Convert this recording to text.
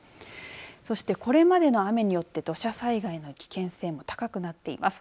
そしてこれまでの雨によって土砂災害の危険性も高くなっています。